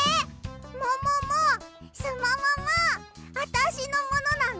もももすもももあたしのものなの？